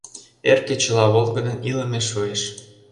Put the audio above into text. Эр кечыла волгыдын Илыме шуэш.